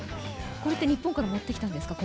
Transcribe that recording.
これって日本から持ってきたんですか。